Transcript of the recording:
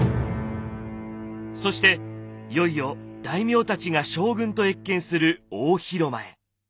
そしていよいよ大名たちが将軍と謁見する大広間へ。